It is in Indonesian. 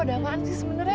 ada apaan sih sebenarnya